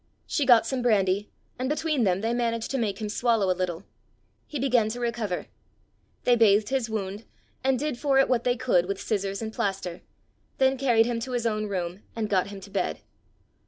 She got some brandy, and between them they managed to make him swallow a little. He began to recover. They bathed his wound, and did for it what they could with scissors and plaster, then carried him to his own room, and got him to bed.